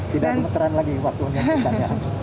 tidak gemeteran lagi waktu menyuntikannya